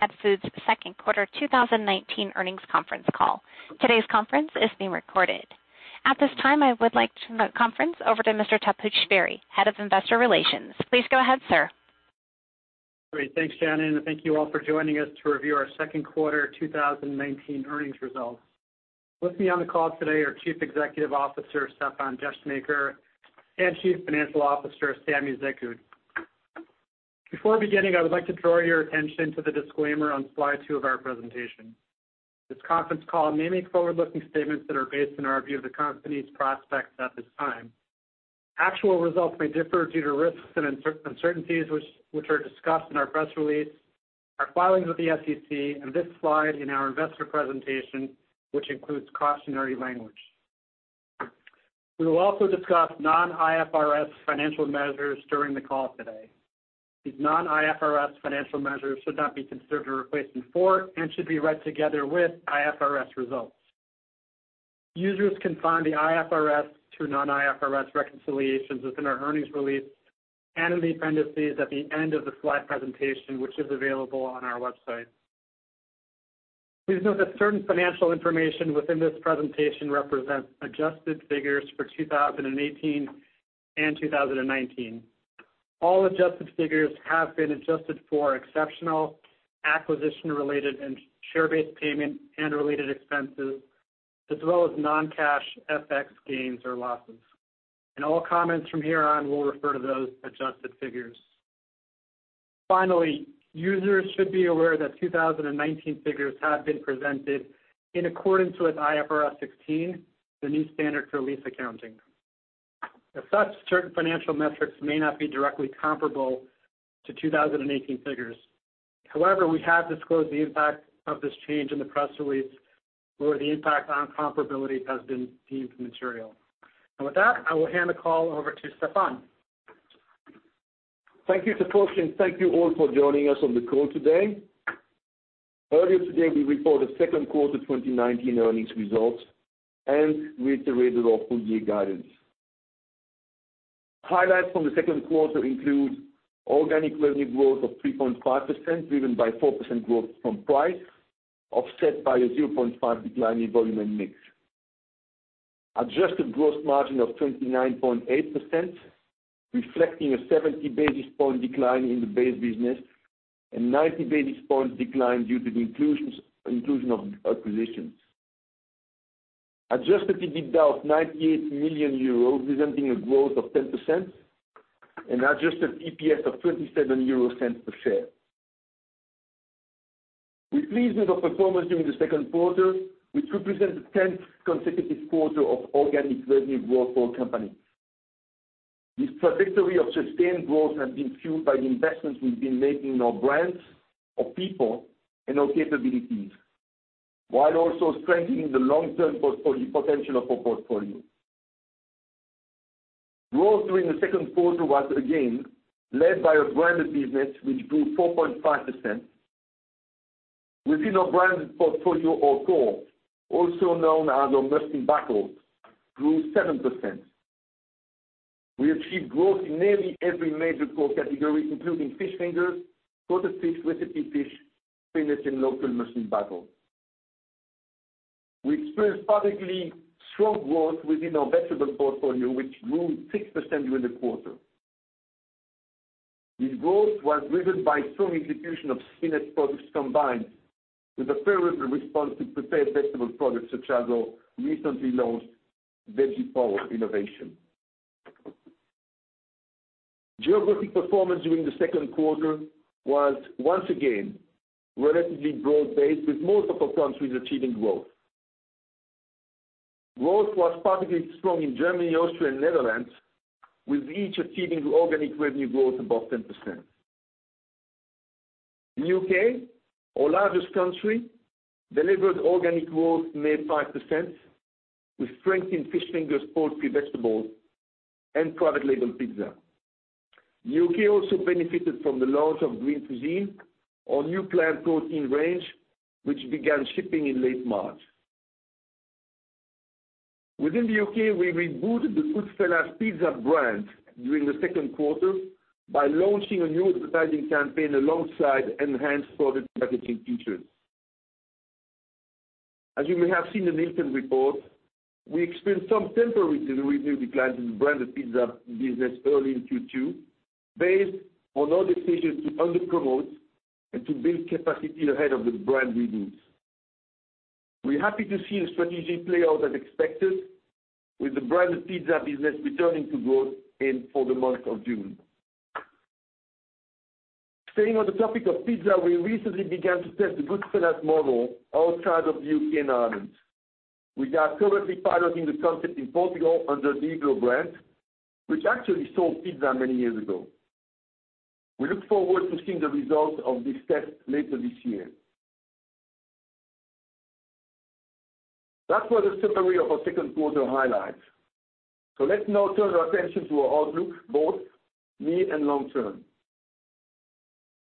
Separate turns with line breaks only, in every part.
Nomad Foods' second quarter 2019 earnings conference call. Today's conference is being recorded. At this time, I would like to turn the conference over to Mr. Taposh Bari, Head of Investor Relations. Please go ahead, sir.
Great. Thanks, Shannon, and thank you all for joining us to review our second quarter 2019 earnings results. With me on the call today are Chief Executive Officer, Stéfan Descheemaeker, and Chief Financial Officer, Samy Zekhout. Before beginning, I would like to draw your attention to the disclaimer on slide two of our presentation. This conference call may make forward-looking statements that are based on our view of the company's prospects at this time. Actual results may differ due to risks and uncertainties, which are discussed in our press release, our filings with the SEC, and this slide in our investor presentation, which includes cautionary language. We will also discuss non-IFRS financial measures during the call today. These non-IFRS financial measures should not be considered a replacement for, and should be read together with, IFRS results. Users can find the IFRS to non-IFRS reconciliations within our earnings release and in the appendices at the end of the slide presentation, which is available on our website. Please note that certain financial information within this presentation represents adjusted figures for 2018 and 2019. All adjusted figures have been adjusted for exceptional acquisition related and share-based payment and related expenses, as well as non-cash FX gains or losses. In all comments from here on, we'll refer to those adjusted figures. Finally, users should be aware that 2019 figures have been presented in accordance with IFRS 16, the new standard for lease accounting. As such, certain financial metrics may not be directly comparable to 2018 figures. We have disclosed the impact of this change in the press release, where the impact on comparability has been deemed material. With that, I will hand the call over to Stéfan.
Thank you, Taposh, and thank you all for joining us on the call today. Earlier today, we reported second quarter 2019 earnings results and reiterated our full-year guidance. Highlights from the second quarter include organic revenue growth of 3.5%, driven by 4% growth from price, offset by a 0.5% decline in volume and mix. Adjusted gross margin of 29.8%, reflecting a 70 basis point decline in the base business and 90 basis point decline due to the inclusion of acquisitions. Adjusted EBITDA of 98 million euros, presenting a growth of 10%, and adjusted EPS of 0.27 per share. We're pleased with our performance during the second quarter, which represents the 10th consecutive quarter of organic revenue growth for our company. This trajectory of sustained growth has been fueled by the investments we've been making in our brands, our people, and our capabilities, while also strengthening the long-term potential of our portfolio. Growth during the second quarter was again led by our branded business, which grew 4.5%. Within our branded portfolio, our core, also known as our must-win battles, grew 7%. We achieved growth in nearly every major core category, including fish fingers, coated fish, recipe fish, spinach, and local must-win battles. We experienced particularly strong growth within our vegetable portfolio, which grew 6% during the quarter. This growth was driven by strong execution of spinach products, combined with a favorable response to prepared vegetable products, such as our recently launched Veggie Power innovation. Geographic performance during the second quarter was, once again, relatively broad-based, with most of our countries achieving growth. Growth was particularly strong in Germany, Austria, and Netherlands, with each achieving organic revenue growth above 10%. The U.K., our largest country, delivered organic growth near 5%, with strength in fish fingers, poultry, vegetables, and private label pizza. The U.K. also benefited from the launch of Green Cuisine, our new plant protein range, which actually began shipping in late March. Within the U.K., we rebooted the Goodfella's brand during the second quarter by launching a new advertising campaign alongside enhanced product packaging features. As you may have seen in the interim report, we experienced some temporary revenue declines in the branded pizza business early in Q2, based on our decision to under-promote and to build capacity ahead of the brand reboot. We're happy to see the strategy play out as expected, with the branded pizza business returning to growth for the month of June. Staying on the topic of pizza, we recently began to test the Goodfella's model outside of the U.K. and Ireland. We are currently piloting the concept in Portugal under the iglo brand, which actually sold pizza many years ago. We look forward to seeing the results of this test later this year. That was a summary of our second quarter highlights. Let's now turn our attention to our outlook, both near and long term.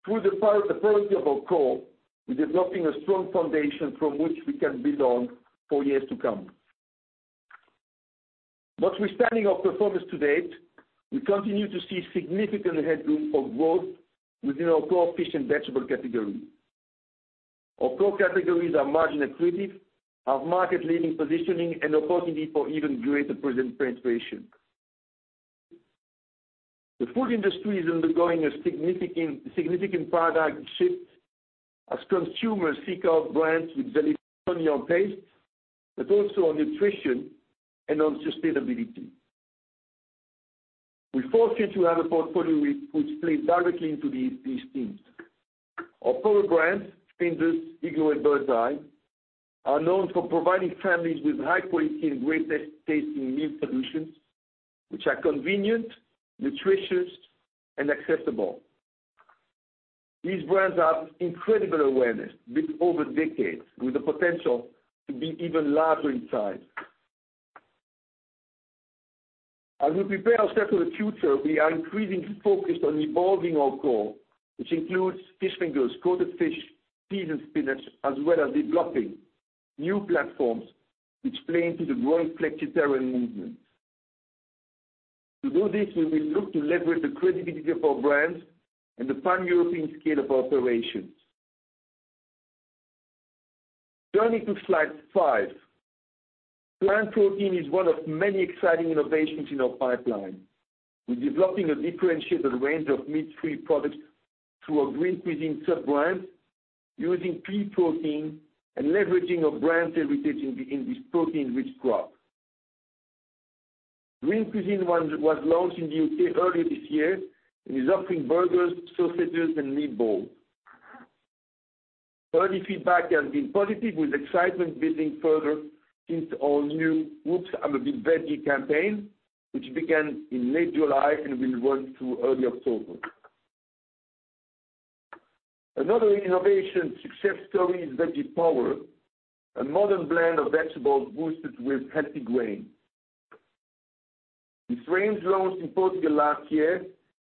Through the priority of our core, we're developing a strong foundation from which we can build on for years to come. Notwithstanding our performance to date, we continue to see significant headroom for growth within our core fish and vegetable category. Our core categories are margin accretive, have market-leading positioning, and opportunity for even greater presence penetration. The food industry is undergoing a significant paradigm shift as consumers seek out brands with value not only on taste, but also on nutrition and on sustainability. We're fortunate to have a portfolio which plays directly into these themes. Our core brands, Findus, iglo, and Birds Eye, are known for providing families with high quality and great tasting meal solutions, which are convenient, nutritious, and accessible. These brands have incredible awareness built over decades, with the potential to be even larger in size. As we prepare ourselves for the future, we are increasingly focused on evolving our core, which includes fish fingers, coated fish, peas, and spinach, as well as developing new platforms which play into the growing flexitarian movement. To do this, we will look to leverage the credibility of our brands and the pan-European scale of our operations. Turning to slide five. Plant protein is one of many exciting innovations in our pipeline. We're developing a differentiated range of meat-free products through our Green Cuisine sub-brand, using pea protein and leveraging our brand heritage in this protein-rich crop. Green Cuisine was launched in the U.K. earlier this year, and is offering burgers, sausages, and meatball. Early feedback has been positive, with excitement building further since our new "Whoops, I'm a bit veggie" campaign, which began in late July and will run through early October. Another innovation success story is Veggie Power, a modern blend of vegetables boosted with healthy grain. This range, launched in Portugal last year,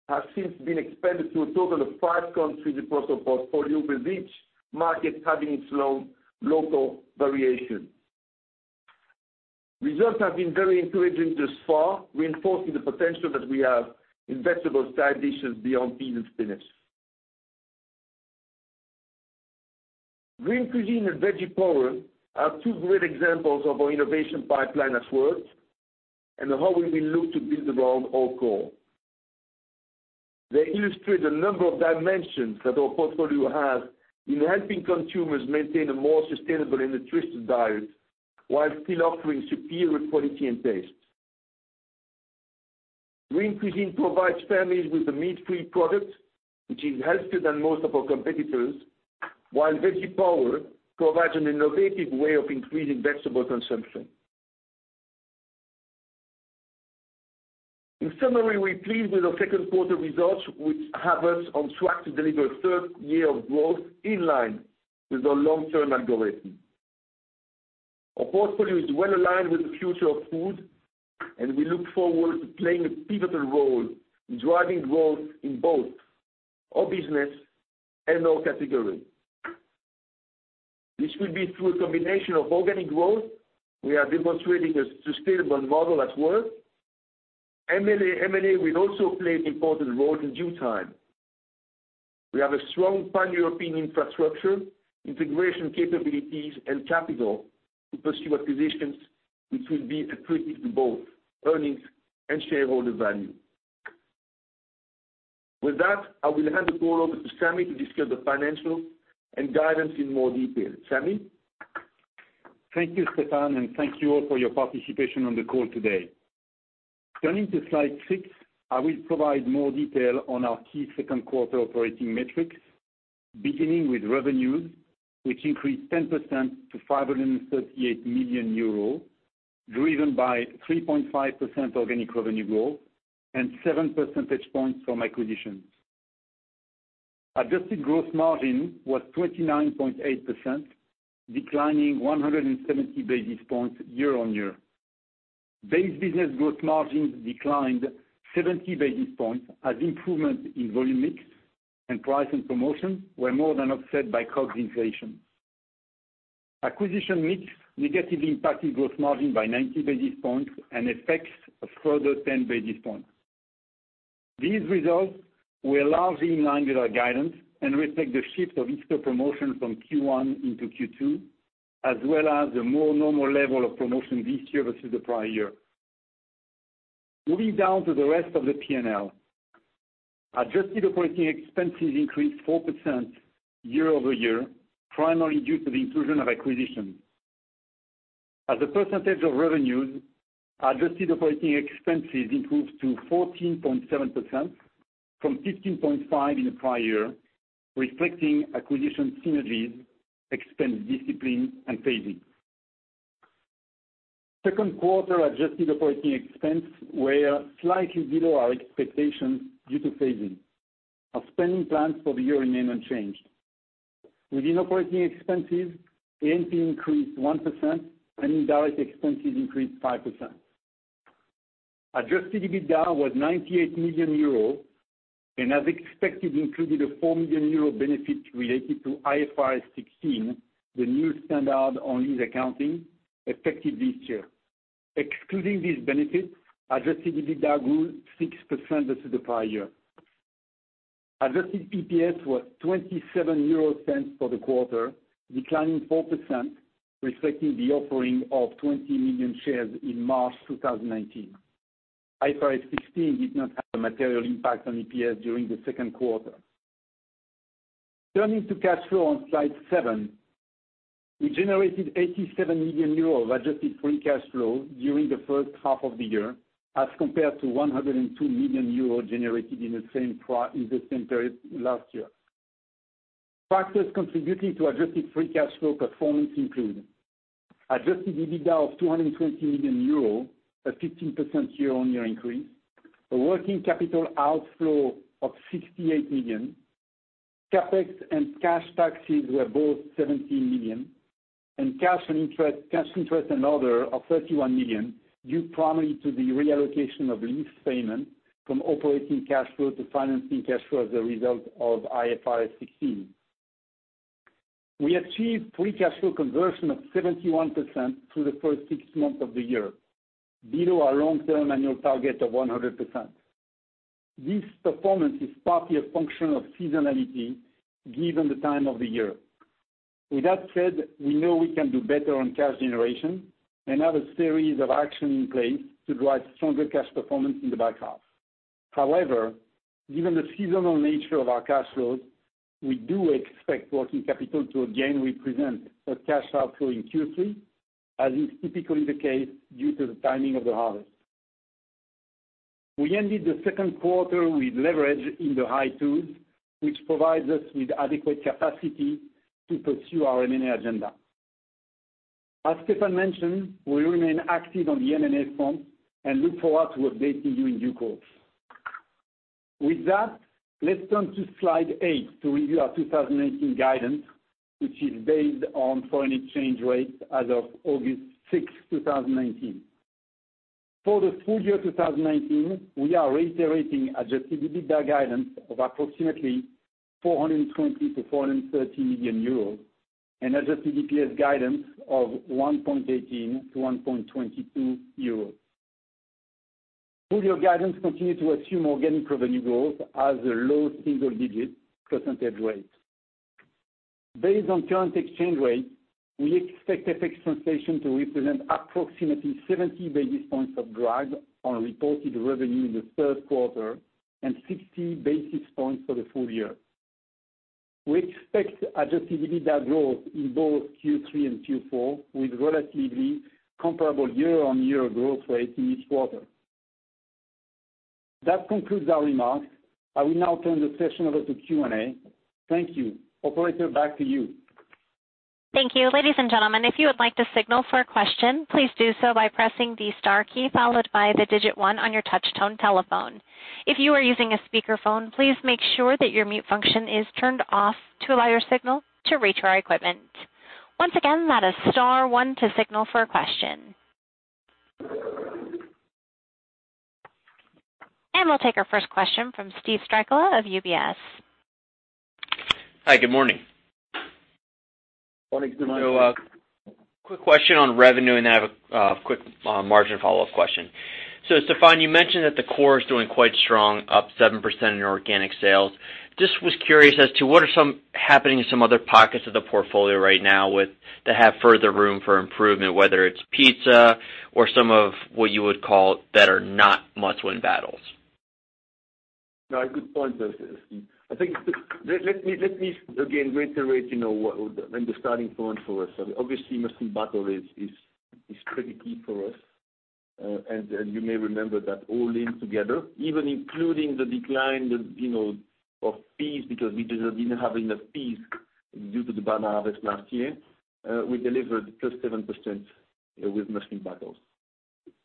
has since been expanded to a total of five countries across our portfolio, with each market having its local variation. Results have been very encouraging thus far, reinforcing the potential that we have in vegetable side dishes beyond peas and spinach. Green Cuisine and Veggie Power are two great examples of our innovation pipeline at work, and how we will look to build around our core. They illustrate the number of dimensions that our portfolio has in helping consumers maintain a more sustainable and nutritious diet, while still offering superior quality and taste. Green Cuisine provides families with a meat-free product, which is healthier than most of our competitors, while Veggie Power provides an innovative way of increasing vegetable consumption. In summary, we're pleased with our second quarter results, which have us on track to deliver a third year of growth, in line with our long-term algorithm. Our portfolio is well-aligned with the future of food, and we look forward to playing a pivotal role in driving growth in both our business and our category. This will be through a combination of organic growth. We are demonstrating a sustainable model at work. M&A will also play an important role in due time. We have a strong pan-European infrastructure, integration capabilities, and capital to pursue acquisitions, which will be accretive to both earnings and shareholder value. With that, I will hand the call over to Samy to discuss the financials and guidance in more detail. Samy?
Thank you, Stéfane, and thank you all for your participation on the call today. Turning to slide six, I will provide more detail on our key second quarter operating metrics, beginning with revenues, which increased 10% to 538 million euros, driven by 3.5% organic revenue growth and seven percentage points from acquisitions. Adjusted gross margin was 29.8%, declining 170 basis points year-on-year. Base business gross margins declined 70 basis points as improvement in volume mix and price and promotion were more than offset by COGS inflation. Acquisition mix negatively impacted gross margin by 90 basis points and effects of further 10 basis points. These results were largely in line with our guidance and reflect the shift of Easter promotions from Q1 into Q2, as well as a more normal level of promotion this year versus the prior year. Moving down to the rest of the P&L. Adjusted operating expenses increased 4% year-over-year, primarily due to the inclusion of acquisitions. As a percentage of revenues, adjusted operating expenses improved to 14.7% from 15.5% in the prior year, reflecting acquisition synergies, expense discipline, and phasing. Second quarter adjusted operating expense were slightly below our expectations due to phasing. Our spending plans for the year remain unchanged. Within operating expenses, A&P increased 1%, and indirect expenses increased 5%. Adjusted EBITDA was 98 million euro. As expected, it included a 4 million euro benefit related to IFRS 16, the new standard on lease accounting effective this year. Excluding this benefit, adjusted EBITDA grew 6% versus the prior year. Adjusted EPS was 0.27 for the quarter, declining 4%, reflecting the offering of 20 million shares in March 2019. IFRS 16 did not have a material impact on EPS during the second quarter. Turning to cash flow on slide seven. We generated 87 million euros of adjusted free cash flow during the first half of the year, as compared to 102 million euros generated in the same period last year. Factors contributing to adjusted free cash flow performance include adjusted EBITDA of 220 million euros, a 15% year-on-year increase, a working capital outflow of 68 million, CapEx and cash taxes were both 17 million, and cash interest and other of 31 million, due primarily to the reallocation of lease payment from operating cash flow to financing cash flow as a result of IFRS 16. We achieved free cash flow conversion of 71% through the first six months of the year, below our long-term annual target of 100%. This performance is partly a function of seasonality, given the time of the year. With that said, we know we can do better on cash generation and have a series of actions in place to drive stronger cash performance in the back half. However, given the seasonal nature of our cash flows, we do expect working capital to again represent a cash outflow in Q3, as is typically the case due to the timing of the harvest. We ended the second quarter with leverage in the high twos, which provides us with adequate capacity to pursue our M&A agenda. As Stéfan mentioned, we remain active on the M&A front and look forward to updating you in due course. With that, let's turn to slide eight to review our 2019 guidance, which is based on foreign exchange rates as of August 6th, 2019. For the full year 2019, we are reiterating adjusted EBITDA guidance of approximately 420 million-430 million euros and adjusted EPS guidance of 1.18-1.22 euros. Full-year guidance continue to assume organic revenue growth as a low single-digit percentage rate. Based on current exchange rate, we expect FX translation to represent approximately 70 basis points of drag on reported revenue in the third quarter and 60 basis points for the full year. We expect adjusted EBITDA growth in both Q3 and Q4, with relatively comparable year-on-year growth rate in each quarter. That concludes our remarks. I will now turn the session over to Q&A. Thank you. Operator, back to you.
Thank you. Ladies and gentlemen, if you would like to signal for a question, please do so by pressing the star key followed by the digit 1 on your touch tone telephone. If you are using a speakerphone, please make sure that your mute function is turned off to allow your signal to reach our equipment. Once again, that is star 1 to signal for a question. We'll take our first question from Steven Strycula of UBS.
Hi, good morning.
Morning. Good morning.
Quick question on revenue, and I have a quick margin follow-up question. Stéfan, you mentioned that the core is doing quite strong, up 7% in organic sales. Just was curious as to what are happening in some other pockets of the portfolio right now that have further room for improvement, whether it's Goodfella's or some of what you would call that are not must-win battles?
A good point there, Steve. Let me again reiterate what the starting point for us. Obviously, must-win battle is critically for us. You may remember that all in together, even including the decline of peas, because we did not have enough peas due to the bad harvest last year, we delivered just 7% with must-win battles.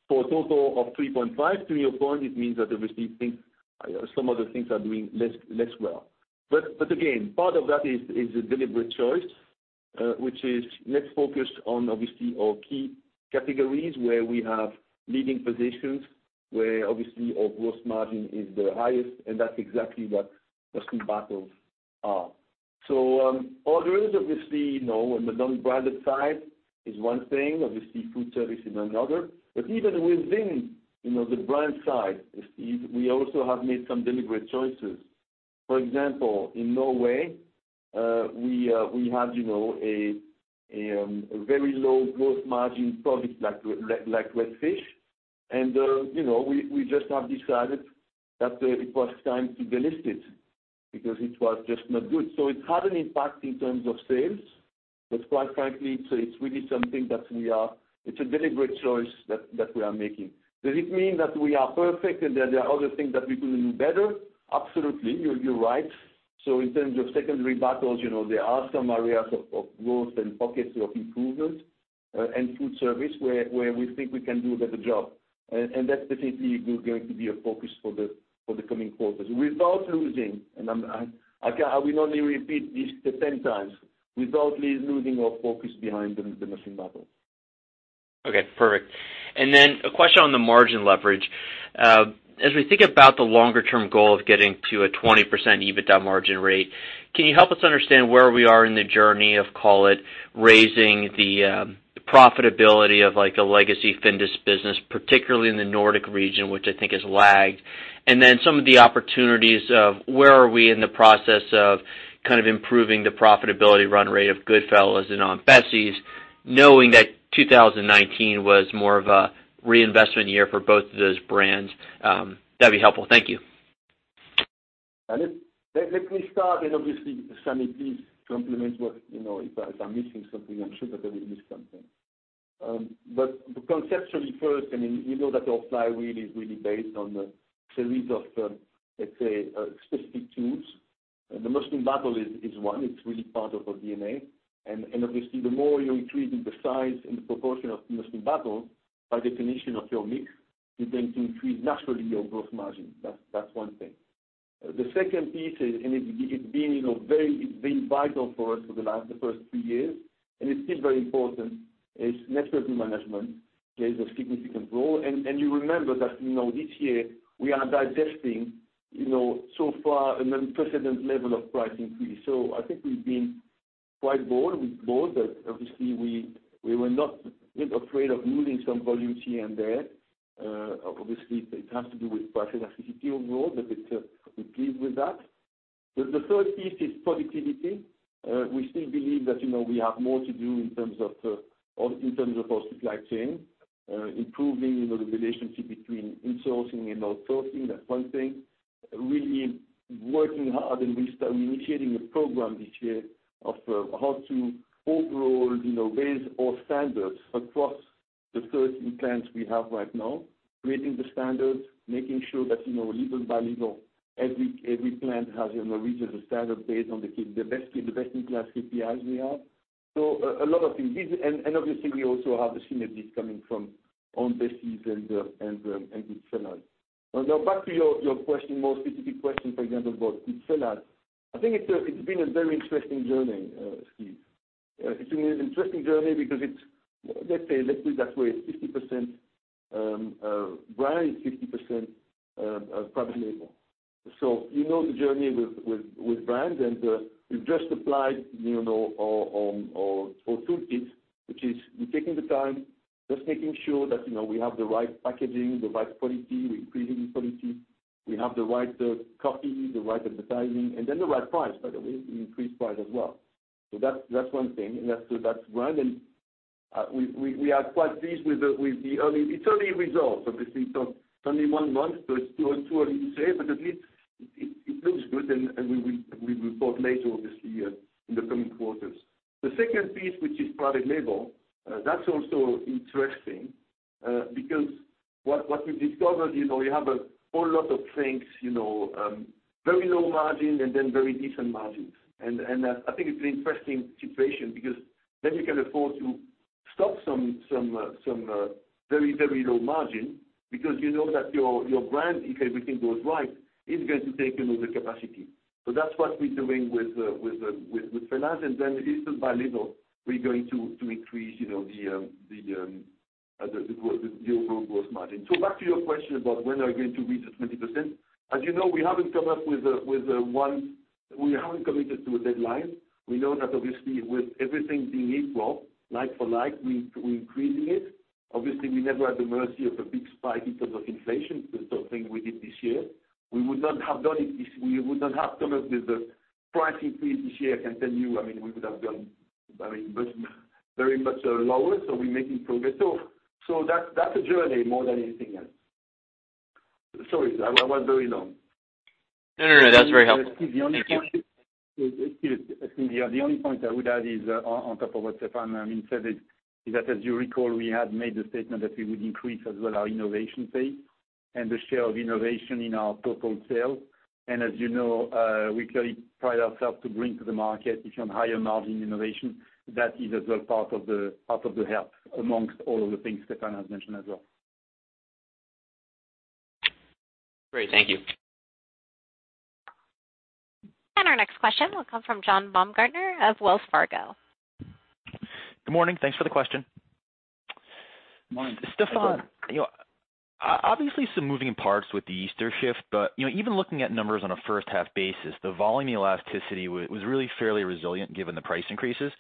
For a total of 3.5%, to your point, it means that obviously, some of the things are doing less well. Again, part of that is a deliberate choice, which is let's focus on, obviously, our key categories where we have leading positions, where obviously our gross margin is the highest, and that's exactly what must-win battles are. Others, obviously, on the non-branded side is one thing, obviously food service is another. Even within the brand side, Steve, we also have made some deliberate choices. For example, in Norway, we had a very low gross margin product like red fish. We just have decided that it was time to delist it because it was just not good. It had an impact in terms of sales. Quite frankly, it's really something that we are. It's a deliberate choice that we are making. Does it mean that we are perfect and that there are other things that we could do better? Absolutely. You're right. In terms of secondary battles, there are some areas of growth and pockets of improvements, and food service where we think we can do a better job. That's definitely going to be a focus for the coming quarters. Without losing, and I will only repeat this 10 times, without losing our focus behind the must-win battles.
Okay, perfect. A question on the margin leverage. As we think about the longer-term goal of getting to a 20% EBITDA margin rate, can you help us understand where we are in the journey of, call it, raising the profitability of a legacy Findus business, particularly in the Nordic region, which I think has lagged? Some of the opportunities of where are we in the process of kind of improving the profitability run rate of Goodfella's and Aunt Bessie's, knowing that 2019 was more of a reinvestment year for both of those brands. That'd be helpful. Thank you.
Let me start, obviously, Samy, please complement what, if I'm missing something, I'm sure that I will miss something. Conceptually first, you know that our flywheel is really based on a series of, let's say, specific tools. The must-win battle is one, it's really part of our DNA. Obviously, the more you're increasing the size and the proportion of the must-win battle, by definition of your mix, you're going to increase naturally your gross margin. That's one thing. The second piece, it's been very vital for us for the first three years, it's still very important, is network management plays a significant role. You remember that this year we are digesting so far an unprecedented level of price increase. I think we've been quite bold. We've bold that, obviously, we were not a bit afraid of losing some volume here and there. Obviously, it has to do with price elasticity overall, but we're pleased with that. The third piece is productivity. We still believe that we have more to do in terms of our supply chain, improving the relationship between insourcing and outsourcing. That's one thing. We are really working hard and we're initiating a program this year of how to overall raise our standards across the 13 plants we have right now. We are creating the standards, making sure that little by little, every plant has reached a standard based on the best in class KPIs we have. A lot of things. Obviously, we also have the synergies coming from Aunt Bessie's and Goodfella's. Now, back to your question, more specific question, for example, about Goodfella's. I think it's been a very interesting journey, Steve. It's been an interesting journey because it's 50% brand, 50% private label. You know the journey with brand, and we've just applied our toolkit, which is we're taking the time, just making sure that we have the right packaging, the right quality, we're increasing quality. We have the right copy, the right advertising, and then the right price, by the way, we increased price as well. That's one thing, and that's brand, and we are quite pleased with the early results. Obviously, it's only one month, so it's too early to say, but at least it looks good, and we will report later, obviously, in the coming quarters. The second piece, which is private label, that's also interesting. What we've discovered is we have a whole lot of things, very low margin and then very decent margins. I think it's an interesting situation because then you can afford to stop some very low margin because you know that your brand, if everything goes right, is going to take another capacity. That's what we're doing with Goodfella's, little by little, we're going to increase the overall gross margin. Back to your question about when are you going to reach the 20%. As you know, we haven't committed to a deadline. We know that obviously, with everything being equal, like for like, we're increasing it. Obviously, we never had the mercy of a big spike because of inflation, something we did this year. We would not have done it if we would not have come up with a price increase this year, I can tell you. We would have gone very much lower, we're making progress. That's a journey more than anything else. Sorry, I was very long.
No, that's very helpful. Thank you.
Steve, the only point I would add is, on top of what Stéfan said, is that as you recall, we had made the statement that we would increase as well our innovation pay and the share of innovation in our total sales. As you know, we clearly pride ourselves to bring to the market, if you want, higher margin innovation. That is as well part of the help amongst all of the things Stéfan has mentioned as well.
Great. Thank you.
Our next question will come from John Baumgartner of Wells Fargo.
Good morning. Thanks for the question.
Morning.
Stéfan, obviously some moving parts with the Easter shift, but even looking at numbers on a first half basis, the volume elasticity was really fairly resilient given the price increases.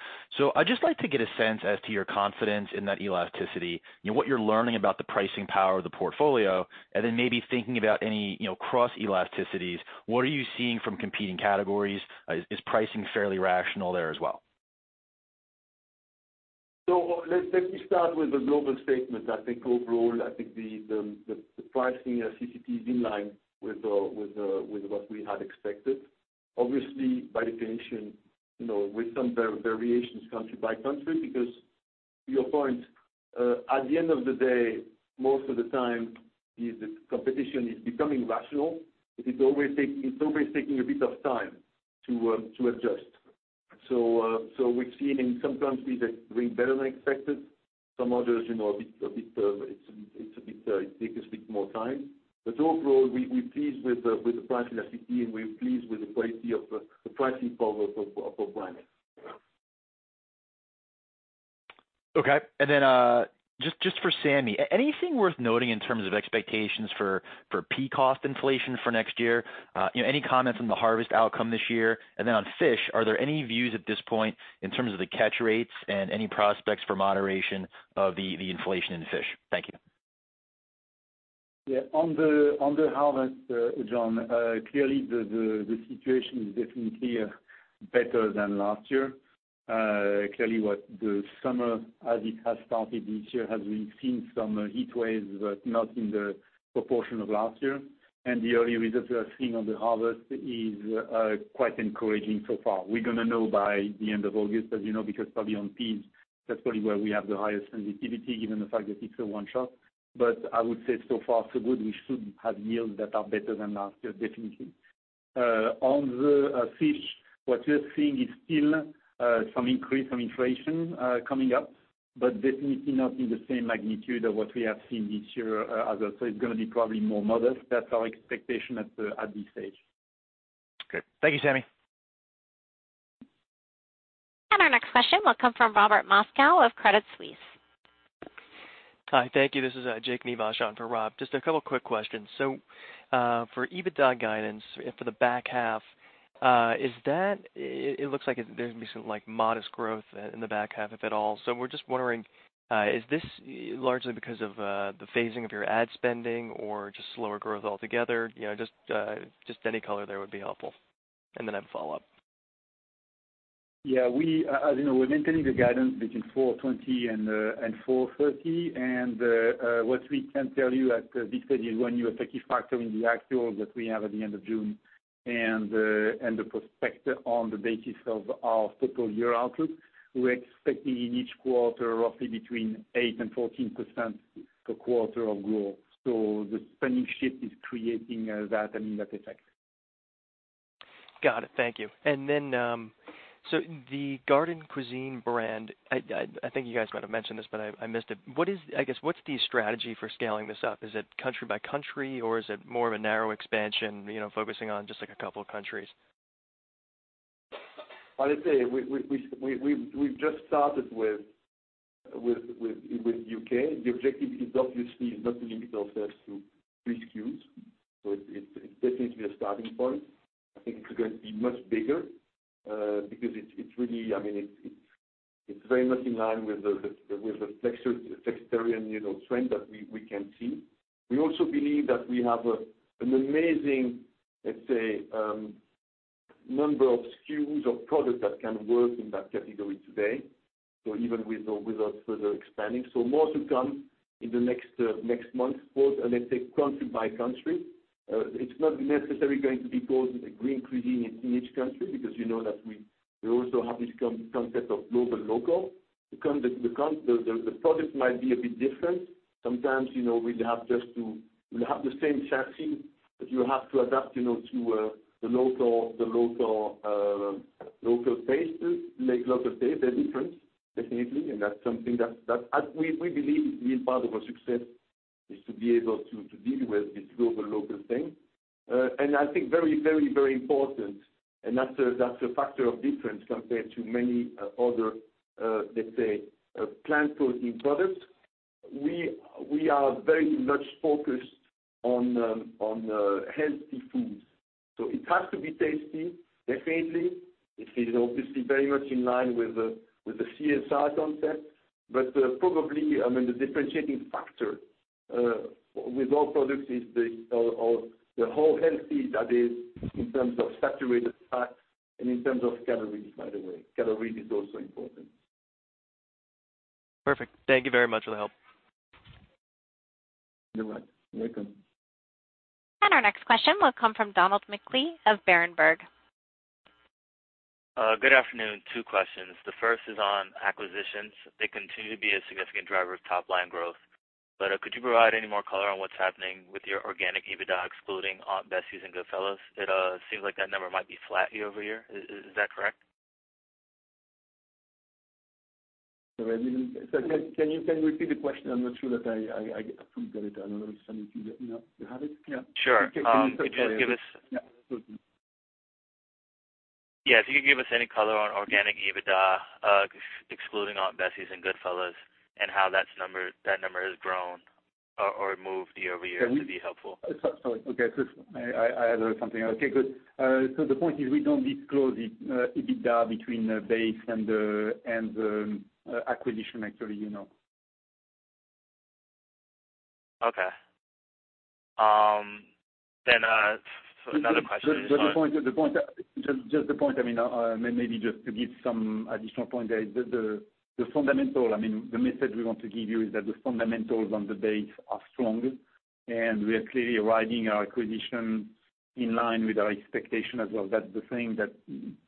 I'd just like to get a sense as to your confidence in that elasticity, what you're learning about the pricing power of the portfolio, and then maybe thinking about any cross elasticities. What are you seeing from competing categories? Is pricing fairly rational there as well?
Let me start with a global statement. I think overall, I think the pricing elasticity is in line with what we had expected. Obviously, by definition, with some variations country by country, because to your point, at the end of the day, most of the time, the competition is becoming rational. It's always taking a bit of time to adjust. We've seen in some countries a bit better than expected. It takes a bit more time. Overall, we're pleased with the pricing elasticity, and we're pleased with the pricing power of our branding.
Okay. Just for Samy, anything worth noting in terms of expectations for pea cost inflation for next year? Any comments on the harvest outcome this year? On fish, are there any views at this point in terms of the catch rates and any prospects for moderation of the inflation in fish? Thank you.
Yeah. On the harvest, John, clearly the situation is definitely better than last year. Clearly, the summer, as it has started this year, has really seen some heat waves, but not in the proportion of last year. The early results we are seeing on the harvest is quite encouraging so far. We're going to know by the end of August, as you know, because probably on peas, that's probably where we have the highest sensitivity, given the fact that it's a one-shot. I would say so far so good. We should have yields that are better than last year, definitely. On the fish, what we are seeing is still some increase, some inflation coming up, but definitely not in the same magnitude of what we have seen this year as well. It's going to be probably more modest. That's our expectation at this stage.
Okay. Thank you, Samy.
Our next question will come from Robert Moskow of Credit Suisse.
Hi. Thank you. This is Jake Nivasch on for Rob. Just a couple quick questions. For EBITDA guidance for the back half, it looks like there's going to be some modest growth in the back half, if at all. We're just wondering, is this largely because of the phasing of your ad spending or just slower growth altogether? Just any color there would be helpful. I have a follow-up.
As you know, we're maintaining the guidance between 420 and 430. What we can tell you at this stage, when you are taking factor in the actual that we have at the end of June and the prospect on the basis of our total year outlook, we're expecting in each quarter roughly between 8% and 14% per quarter of growth. The spending shift is creating that effect.
Got it. Thank you. The Green Cuisine brand, I think you guys might have mentioned this, but I missed it. What's the strategy for scaling this up? Is it country by country, or is it more of a narrow expansion, focusing on just a couple of countries?
I'd say we've just started with U.K. The objective is obviously not to limit ourselves to three SKUs, so it's definitely a starting point. I think it's going to be much bigger, because it's very much in line with the flexitarian trend that we can see. We also believe that we have an amazing, let's say, number of SKUs or products that can work in that category today, even with or without further expanding. More to come in the next months for, let's say, country by country. It's not necessarily going to be called Green Cuisine in each country, because you know that we also have this concept of global local. The product might be a bit different. Sometimes, we'll have the same chassis, but you have to adapt to the local tastes. They're different, definitely, and that's something that we believe is part of our success, is to be able to deal with this global local thing. I think very important, and that's a factor of difference compared to many other, let's say, plant protein products. We are very much focused on healthy foods, so it has to be tasty, definitely. It is obviously very much in line with the CSR concept, but probably, the differentiating factor with all products is the whole healthy studies in terms of saturated fat and in terms of calories, by the way. Calories is also important.
Perfect. Thank you very much for the help.
You're welcome.
Our next question will come from Donald McLee of Berenberg.
Good afternoon. Two questions. The first is on acquisitions. They continue to be a significant driver of top-line growth. Could you provide any more color on what's happening with your organic EBITDA, excluding Aunt Bessie's and Goodfella's? It seems like that number might be flat year-over-year. Is that correct?
Sorry, can you repeat the question? I'm not sure that I fully got it. I don't know if Samy, do you have it?
Yeah.
Sure. If you could give us. Yeah. Yeah, if you could give us any color on organic EBITDA, excluding Aunt Bessie's and Goodfella's, and how that number has grown or moved year-over-year, that'd be helpful.
Sorry. Okay, cool. I heard something. Okay, good. The point is, we don't disclose EBITDA between base and acquisition, actually.
Okay. Another question.
Just the point, maybe just to give some additional point there, the message we want to give you is that the fundamentals on the base are strong, and we are clearly arriving our acquisition in line with our expectation as well. That's the thing that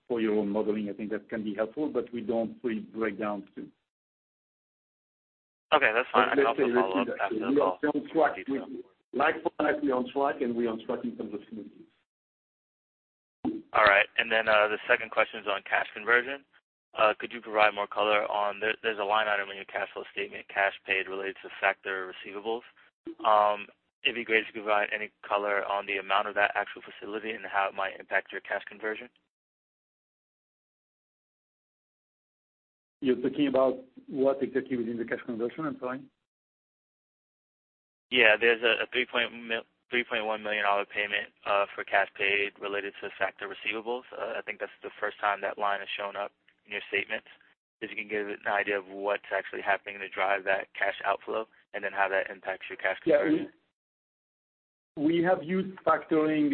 for your own modeling, I think that can be helpful, but we don't break down to- Okay, that's fine. I would say we are on track. Like for like, we are on track, and we are on track in terms of synergies.
The second question is on cash conversion. Could you provide more color on, there's a line item on your cash flow statement, cash paid related to factor receivables. It'd be great if you could provide any color on the amount of that actual facility and how it might impact your cash conversion.
You're talking about what exactly within the cash conversion, I'm sorry?
Yeah. There's a EUR 3.1 million payment, for cash paid related to factor receivables. I think that's the first time that line has shown up in your statements. If you can give an idea of what's actually happening to drive that cash outflow, and then how that impacts your cash conversion.
Yeah. We have used factoring,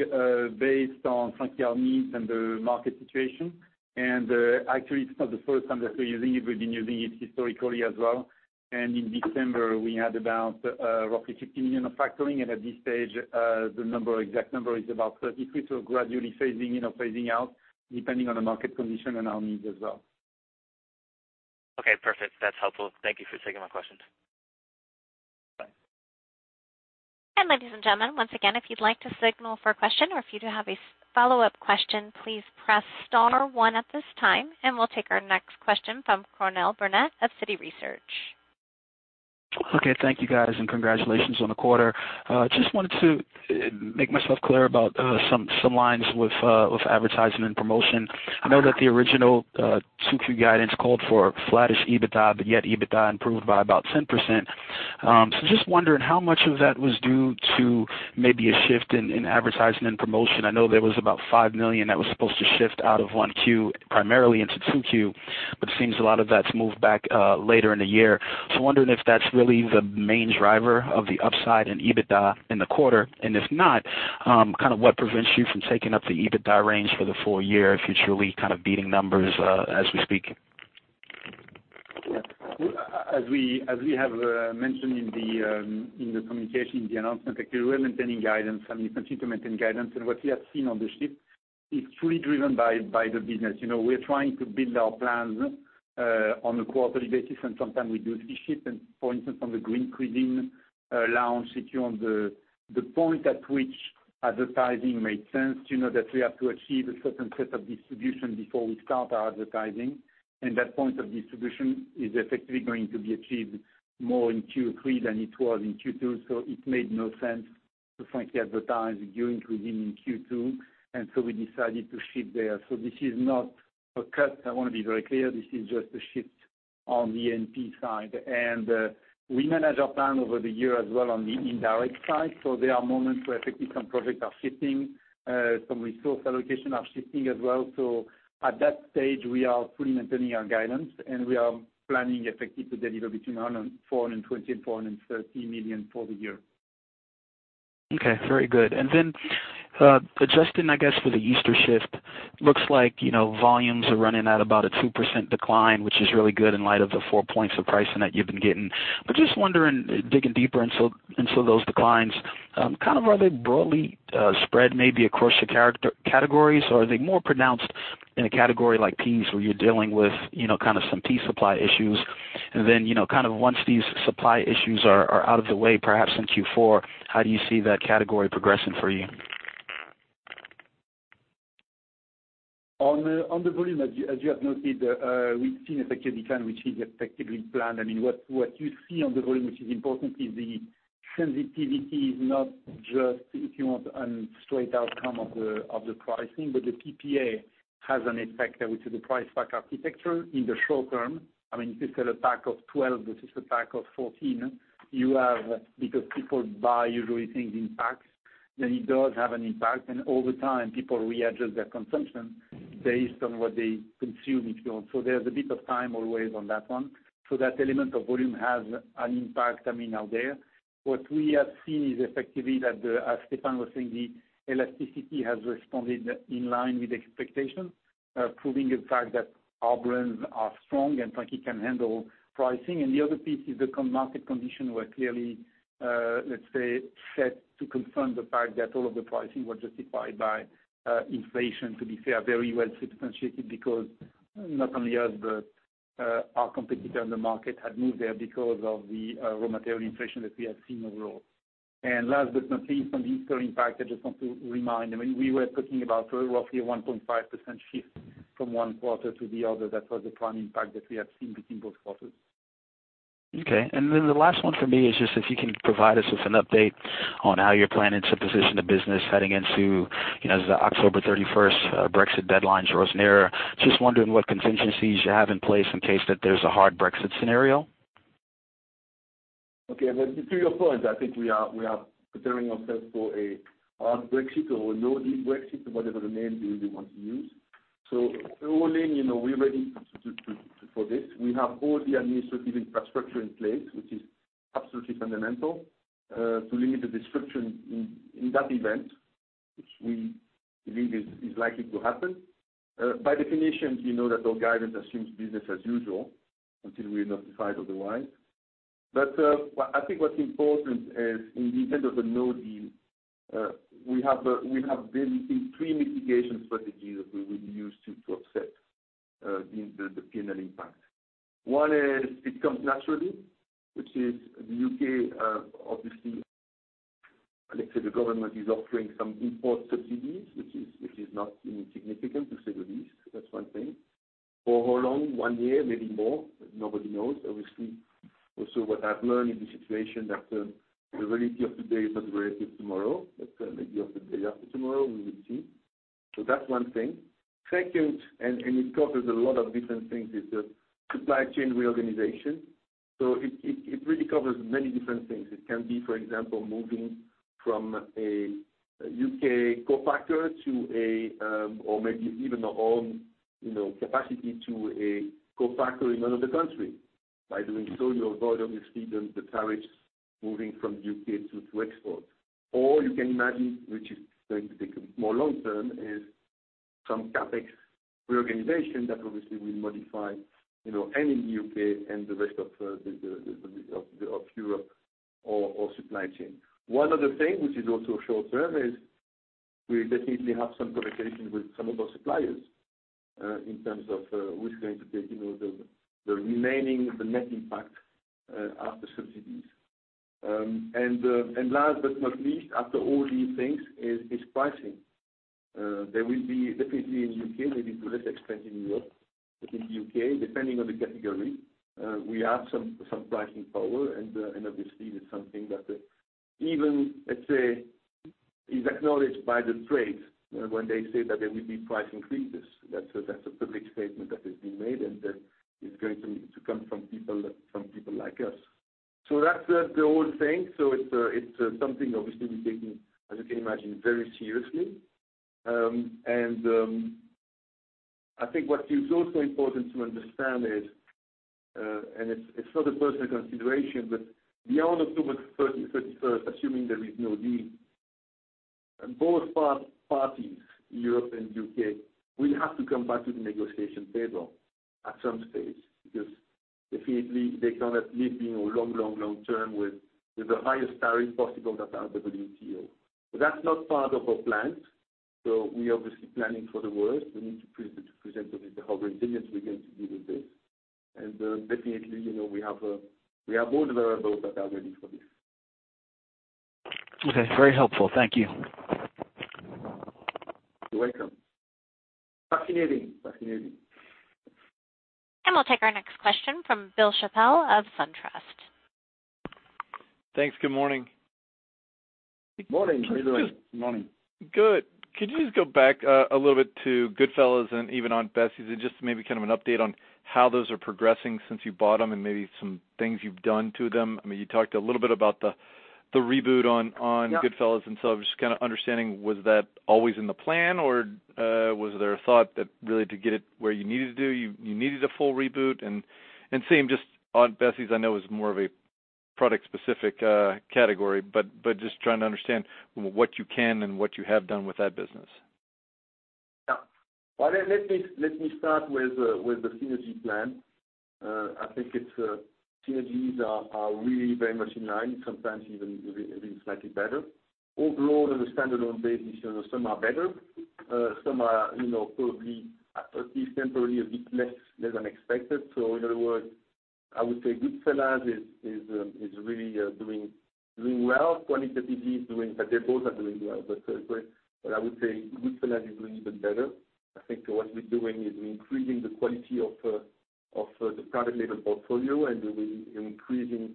based on factoring needs and the market situation. Actually, it's not the first time that we're using it. We've been using it historically as well. In December, we had about, roughly 50 million of factoring. At this stage, the exact number is about 33, so gradually phasing in or phasing out, depending on the market condition and our needs as well.
Okay, perfect. That's helpful. Thank you for taking my questions. Bye.
Ladies and gentlemen, once again, if you'd like to signal for a question or if you do have a follow-up question, please press star 1 at this time, and we'll take our next question from Cornell Barnett of Citi Research.
Okay. Thank you, guys, and congratulations on the quarter. Just wanted to make myself clear about some lines with advertising and promotion. I know that the original 2Q guidance called for flattish EBITDA, yet EBITDA improved by about 10%. Just wondering how much of that was due to maybe a shift in advertising and promotion. I know there was about 5 million that was supposed to shift out of 1Q, primarily into 2Q, it seems a lot of that's moved back, later in the year. Wondering if that's really the main driver of the upside in EBITDA in the quarter, and if not, kind of what prevents you from taking up the EBITDA range for the full year if it's really kind of beating numbers as we speak?
As we have mentioned in the communication, in the announcement, actually, we're maintaining guidance, I mean, continue to maintain guidance. What we have seen on the shift is fully driven by the business. We're trying to build our plans on a quarterly basis, and sometime we do see shifts and, for instance, on the Green Cuisine launch, if you're on the point at which advertising made sense, that we have to achieve a certain set of distribution before we start our advertising. That point of distribution is effectively going to be achieved more in Q3 than it was in Q2, so it made no sense to frankly advertise Green Cuisine in Q2, and so we decided to shift there. This is not a cut. I want to be very clear. This is just a shift on the A&P side. We manage our plan over the year as well on the indirect side. There are moments where effectively some projects are shifting, some resource allocation are shifting as well. At that stage, we are fully maintaining our guidance, and we are planning effectively to deliver between 420 million and 430 million for the year.
Okay. Very good. Adjusting, I guess, for the Easter shift, looks like volumes are running at about a 2% decline, which is really good in light of the four points of pricing that you've been getting. Just wondering, digging deeper into those declines, kind of are they broadly spread maybe across the categories, or are they more pronounced in a category like peas where you're dealing with kind of some pea supply issues? Once these supply issues are out of the way, perhaps in Q4, how do you see that category progressing for you?
On the volume, as you have noted, we've seen a decline, which is effectively planned. What you see on the volume, which is important, is the sensitivity is not just, if you want, a straight outcome of the pricing, but the PPA has an effect, which is a price pack architecture in the short term. I mean, if it's a pack of 12 versus a pack of 14, you have, because people buy usually things in packs, then it does have an impact. Over time, people readjust their consumption based on what they consume, if you want. There's a bit of time always on that one. That element of volume has an impact, I mean, out there. What we have seen is effectively that the, as Stéfan was saying, the elasticity has responded in line with expectations, proving the fact that our brands are strong and factoring can handle pricing. The other piece is the market condition were clearly, let's say, set to confirm the fact that all of the pricing was justified by inflation, to be fair, very well substantiated because not only us, but our competitor in the market had moved there because of the raw material inflation that we had seen overall. Last but not least, on the Easter impact, I just want to remind, I mean, we were talking about roughly a 1.5% shift from one quarter to the other. That was the prime impact that we have seen between both quarters.
Okay. The last one for me is just if you can provide us with an update on how you're planning to position the business heading into, as the October 31st Brexit deadline draws near. Just wondering what contingencies you have in place in case that there's a hard Brexit scenario.
Okay. To your point, I think we are preparing ourselves for a hard Brexit or a no-deal Brexit or whatever the name you want to use. Overall, we're ready for this. We have all the administrative infrastructure in place, which is absolutely fundamental, to limit the disruption in that event, which we believe is likely to happen. By definition, you know that our guidance assumes business as usual until we're notified otherwise. I think what's important is in the event of a no-deal, we have basically three mitigation strategies that we will use to offset the penal impact. One is, it comes naturally, which is the U.K., obviously Let's say the government is offering some import subsidies, which is not insignificant to say the least. That's one thing. For how long? One year, maybe more. Nobody knows. Obviously, also, what I've learned in this situation, that the reality of today is not the reality of tomorrow. That's the reality of the day after tomorrow, we will see. That's one thing. Second, it covers a lot of different things, is the supply chain reorganization. It really covers many different things. It can be, for example, moving from a U.K. co-packer or maybe even our own capacity to a co-packer in another country. By doing so, you avoid obviously the tariffs moving from U.K. to export. You can imagine, which is going to take a bit more long-term, is some CapEx reorganization that obviously will modify any U.K. and the rest of Europe or supply chain. One other thing which is also short-term, is we definitely have some conversations with some of our suppliers, in terms of who's going to take the remaining, the net impact, after subsidies. Last but not least, after all these things, is pricing. There will be definitely in U.K., maybe to a less extent in Europe, but in the U.K., depending on the category, we have some pricing power, and obviously it's something that even, let's say, is acknowledged by the trades when they say that there will be price increases. That's a public statement that has been made, and that is going to come from people like us. That's the whole thing. It's something obviously we're taking, as you can imagine, very seriously. I think what is also important to understand is, and it's not a personal consideration, but beyond October 31st, assuming there is no deal, both parties, Europe and U.K., will have to come back to the negotiation table at some stage because definitely they cannot live in a long-term with the highest tariff possible that are WTO. That's not part of our plans. We're obviously planning for the worst. We need to present the resilience we're going to give you this. Definitely, we have all the variables that are ready for this.
Okay. Very helpful. Thank you.
You're welcome. Fascinating.
We'll take our next question from Bill Chappell of SunTrust.
Thanks. Good morning.
Morning. How you doing? Morning.
Good. Could you just go back a little bit to Goodfella's and even Aunt Bessie's, and just maybe kind of an update on how those are progressing since you bought them and maybe some things you've done to them.
Yeah
Goodfella's, I'm just kind of understanding, was that always in the plan, or was there a thought that really to get it where you needed to do, you needed a full reboot? Same just on Bessie's, I know is more of a product specific category, but just trying to understand what you can and what you have done with that business?
Well, let me start with the synergy plan. Synergies are really very much in line, sometimes even a bit slightly better. Overall, on a standalone basis, some are better. Some are probably at least temporarily a bit less than expected. In other words, I would say Goodfella's is really doing well. They both are doing well. I would say Goodfella's is doing even better. I think what we're doing is we're increasing the quality of the private label portfolio, and we're increasing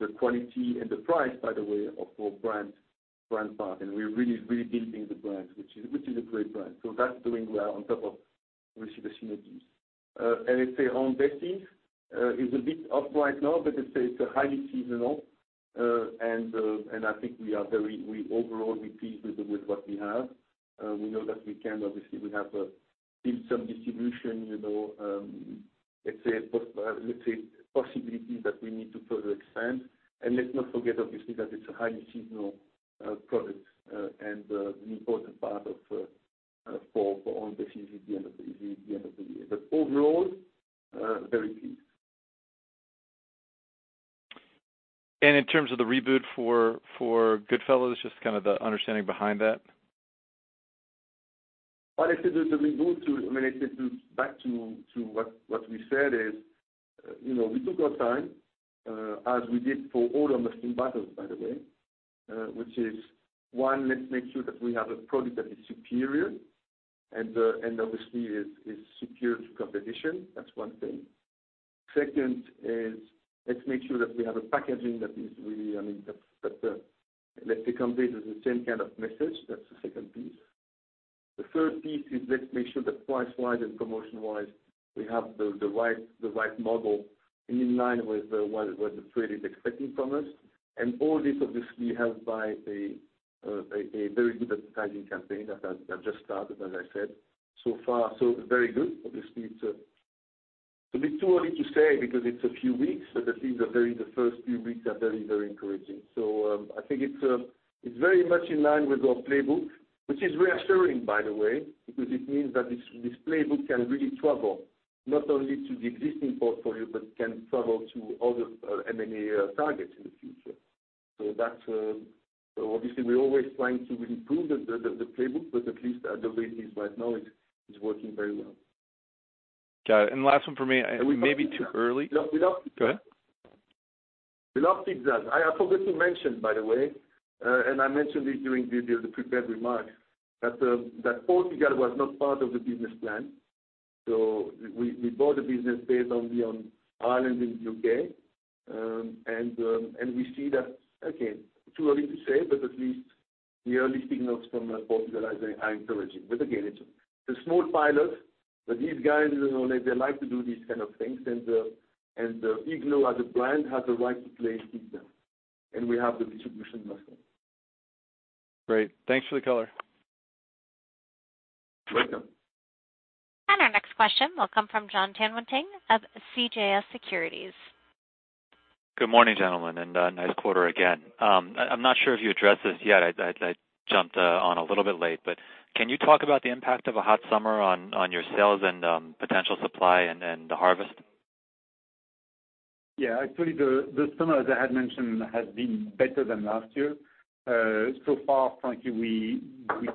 the quality and the price, by the way, of our brand part. We're really building the brands, which is a great brand. That's doing well on top of, obviously, the synergies. Let's say Aunt Bessie's, is a bit up right now, but let's say it's highly seasonal. I think we overall we're pleased with what we have. We know that we can, obviously, we have built some distribution, let's say possibilities that we need to further expand. Let's not forget, obviously, that it's a highly seasonal product. The important part of for Aunt Bessie's is the end of the year. Overall, very pleased.
In terms of the reboot for Goodfella's, just kind of the understanding behind that.
Well, actually, the reboot to, let's say back to what we said is, we took our time, as we did for all our mergers and battles, by the way, which is one, let's make sure that we have a product that is superior and obviously is superior to competition. Second is, let's make sure that we have a packaging that is really, I mean, that conveys the same kind of message. The third piece is let's make sure that price-wise and promotion-wise, we have the right model in line with what the trade is expecting from us. All this obviously helped by a very good advertising campaign that just started, as I said. So far, so very good. Obviously, it's a bit too early to say because it's a few weeks, but I think the first few weeks are very encouraging. I think it's very much in line with our playbook, which is reassuring by the way, because it means that this playbook can really travel not only to the existing portfolio but can travel to other M&A targets in the future. Obviously, we're always trying to improve the playbook, but at least the way it is right now is working very well.
Got it. Last one for me, it may be too early.
No, we love- Go ahead. We love Pizza Hut. I forgot to mention, by the way, and I mentioned it during the prepared remarks, that Portugal was not part of the business plan. We bought the business based only on Ireland and U.K. We see that, again, too early to say, but at least the early signals from Portugal are very encouraging. Again, it's a small pilot, but these guys in the knowledge, they like to do these kind of things, and iglo as a brand has a right to play in pizza. We have the distribution muscle.
Great. Thanks for the color.
Welcome.
Our next question will come from Jon Tanwanteng of CJS Securities.
Good morning, gentlemen, nice quarter again. I'm not sure if you addressed this yet. I jumped on a little bit late, can you talk about the impact of a hot summer on your sales and potential supply and the harvest?
Yeah, actually the summer, as I had mentioned, has been better than last year. Far, frankly, we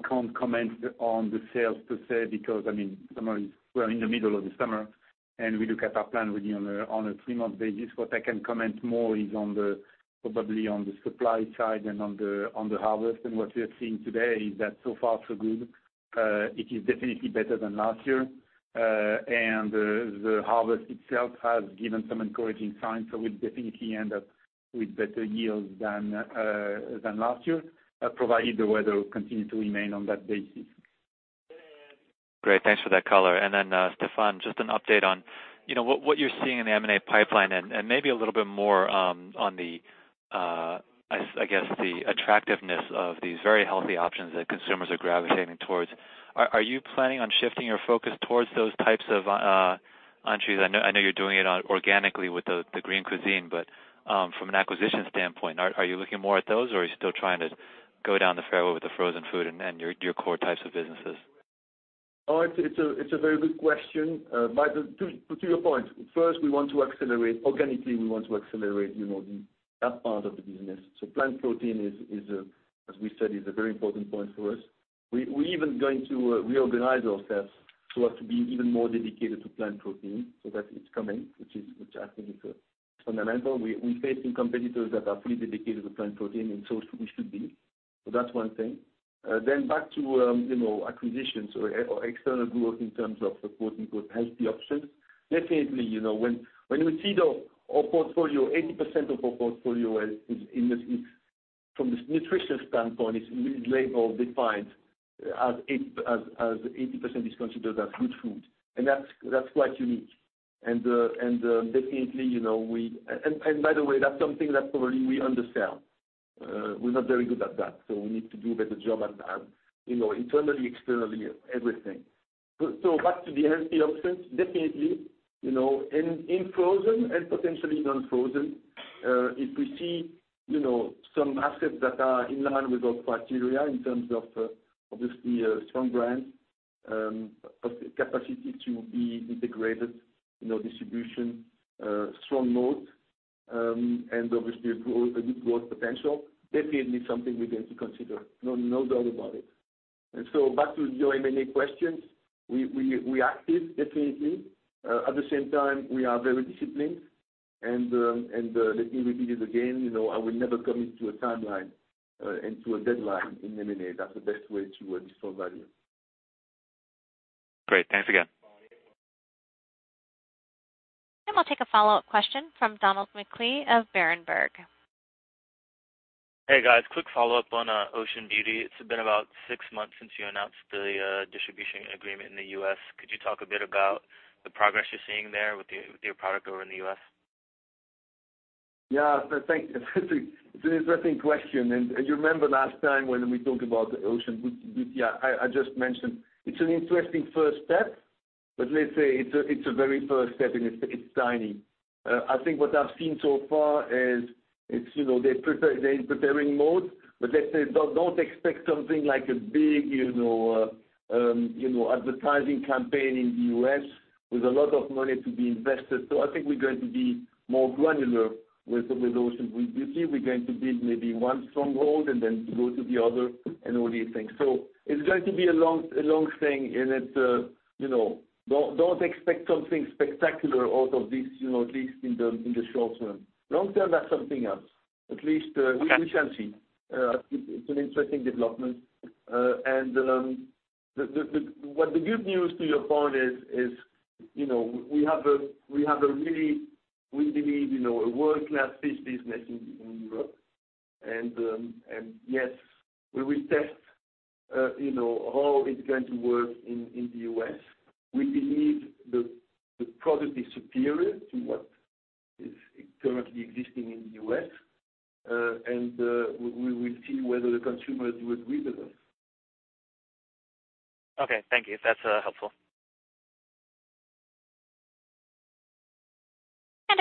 can't comment on the sales per se, because, I mean, we're in the middle of the summer, and we look at our plan really on a three-month basis. What I can comment more is on the, probably on the supply side and on the harvest, and what we are seeing today is that so far so good. It is definitely better than last year. The harvest itself has given some encouraging signs, so we'll definitely end up with better yields than last year, provided the weather will continue to remain on that basis.
Great. Thanks for that color. Then, Stéfan, just an update on what you're seeing in the M&A pipeline and maybe a little bit more on the, I guess, the attractiveness of these very healthy options that consumers are gravitating towards. Are you planning on shifting your focus towards those types of entries? I know you're doing it organically with the Green Cuisine, but from an acquisition standpoint, are you looking more at those, or are you still trying to go down the fairway with the frozen food and your core types of businesses?
It's a very good question. To your point, first, organically, we want to accelerate that part of the business. Plant protein, as we said, is a very important point for us. We are even going to reorganize ourselves so as to be even more dedicated to plant protein, so that is coming, which I think is fundamental. We're facing competitors that are fully dedicated to plant protein, we should be. That's one thing. Back to acquisitions or external growth in terms of the quote-unquote "healthy options." Definitely, when you see our portfolio, 80% of our portfolio is, from this nutrition standpoint, is label defined as 80% is considered as good food. That's quite unique. By the way, that's something that probably we undersell. We're not very good at that, we need to do a better job at that internally, externally, everything. Back to the healthy options, definitely, in frozen and potentially non-frozen, if we see some assets that are in line with our criteria in terms of, obviously, a strong brand, capacity to be integrated in our distribution, strong mode, and obviously a good growth potential, definitely something we're going to consider. No doubt about it. Back to your M&A questions. We are active, definitely. At the same time, we are very disciplined, and let me repeat it again, I will never commit to a timeline and to a deadline in M&A. That's the best way to destroy value.
Great. Thanks again.
We'll take a follow-up question from Donald McLee of Berenberg.
Hey, guys. Quick follow-up on Ocean Beauty. It's been about six months since you announced the distribution agreement in the U.S. Could you talk a bit about the progress you're seeing there with your product over in the U.S.?
Yeah. Thanks. It's an interesting question. You remember last time when we talked about Ocean Beauty, I just mentioned it's an interesting first step, but let's say it's a very first step, and it's tiny. I think what I've seen so far is they're in preparing mode. Let's say, don't expect something like a big advertising campaign in the U.S. with a lot of money to be invested. I think we're going to be more granular with Ocean Beauty. We're going to build maybe one strong road and then go to the other and all these things. It's going to be a long thing, and don't expect something spectacular out of this at least in the short term. Long term, that's something else. Okay we shall see. It's an interesting development. What the good news to your point is, we have a really, we believe, a world-class fish business in Europe. Yes, we will test how it's going to work in the U.S. We believe the product is superior to what is currently existing in the U.S. We will see whether the consumers would agree with us.
Okay, thank you. That's helpful.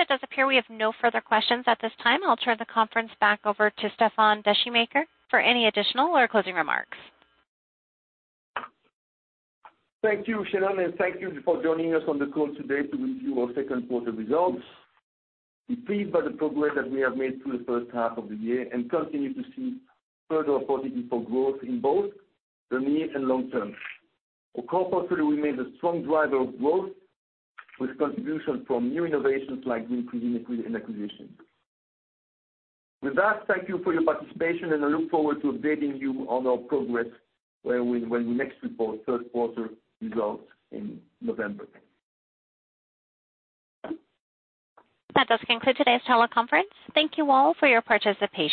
It does appear we have no further questions at this time. I'll turn the conference back over to Stéfan Descheemaeker for any additional or closing remarks.
Thank you, Shannon, and thank you for joining us on the call today to review our second quarter results. We're pleased by the progress that we have made through the first half of the year and continue to see further opportunity for growth in both the near and long term. Our core portfolio remains a strong driver of growth with contributions from new innovations like Green Cuisine acquisitions. With that, thank you for your participation, and I look forward to updating you on our progress when we next report third quarter results in November.
That does conclude today's teleconference. Thank you all for your participation.